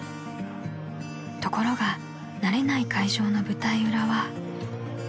［ところが慣れない会場の舞台裏は］